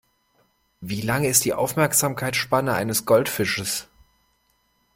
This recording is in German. Wie lang ist die Aufmerksamkeitsspanne eines Goldfisches?